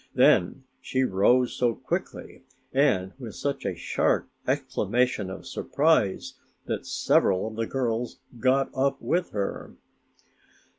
Then she rose so quickly and with such a sharp exclamation of surprise that several of the girls got up with her.